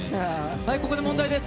ここで問題です！